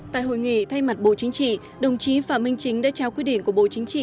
tại hội nghị thay mặt bộ chính trị đồng chí phạm minh chính đã trao quyết định của bộ chính trị